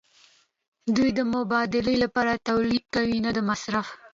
دوی د مبادلې لپاره تولید کوي نه د مصرف.